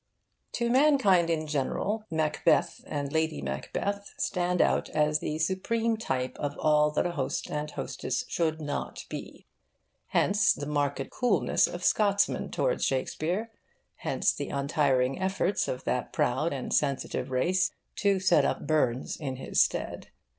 To mankind in general Macbeth and Lady Macbeth stand out as the supreme type of all that a host and hostess should not be. Hence the marked coolness of Scotsmen towards Shakespeare, hence the untiring efforts of that proud and sensitive race to set up Burns in his stead.